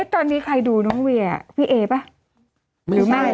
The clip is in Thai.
ตอนนี้ใครดูน้องเวียพี่เอป่ะ